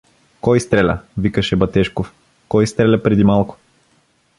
— Кой стреля? — викаше Батешков. — Кой стреля преди малко?